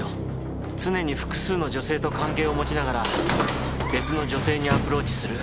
常に複数の女性と関係を持ちながら別の女性にアプローチする。